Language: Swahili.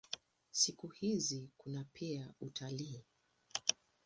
Siku hizi kuna pia utalii.